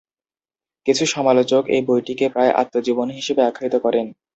কিছু সমালোচক এ বইটিকে প্রায়-আত্মজীবনী হিসেবে আখ্যায়িত করেন।